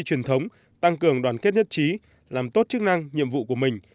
truyền thống tăng cường đoàn kết nhất trí làm tốt chức năng nhiệm vụ của mình